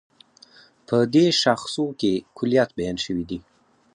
په دې شاخصو کې کُليات بیان شوي دي.